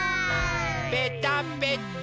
ぺたぺた。